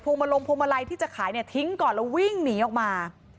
มาลงพวงมาลัยที่จะขายเนี่ยทิ้งก่อนแล้ววิ่งหนีออกมา